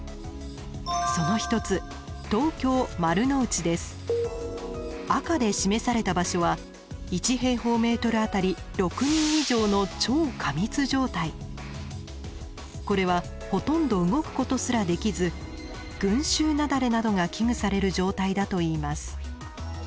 その一つ赤で示された場所はこれはほとんど動くことすらできず群集雪崩などが危惧される状態だといいます。